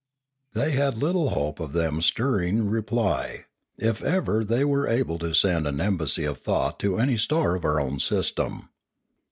They had little hope then of stirring reply, if ever they were able to send an embassy of thought to any star of our own system.